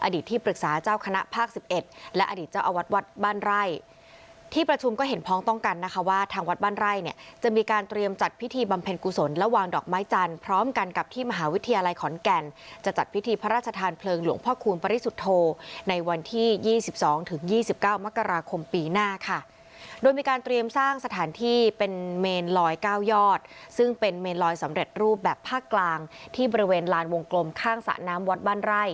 อดีตที่ปรึกษาเจ้าคณะภาค๑๑และอดีตเจ้าอวัดวัดบ้านไร่ที่ประชุมก็เห็นพร้อมต้องกันนะคะว่าทางวัดบ้านไร่เนี่ยจะมีการเตรียมจัดพิธีบำเพ็ญกุศลแล้ววางดอกไม้จันทร์พร้อมกันกับที่มหาวิทยาลัยขอนแก่นจะจัดพิธีพระราชทานเพลิงหลวงพ่อคูณปริสุทธโทในวันที่๒๒๒๙มกราคมป